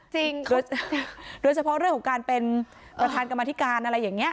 โดยเฉพาะเรื่องของการเป็นประธานกรรมธิการอะไรอย่างนี้